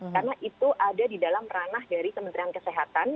karena itu ada di dalam ranah dari kementerian kesehatan